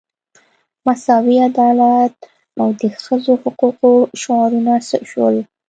مساوي عدالت او د ښځو حقوقو شعارونه څه شول.